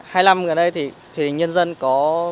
hai năm gần đây thì truyền hình nhân dân có